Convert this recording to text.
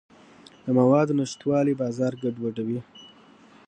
د موادو نشتوالی بازار ګډوډوي.